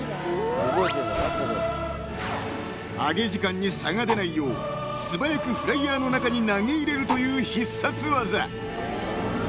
［揚げ時間に差が出ないよう素早くフライヤーの中に投げ入れるという必殺技！］